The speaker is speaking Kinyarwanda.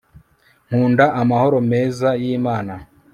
nkunda, amahoro meza y'imana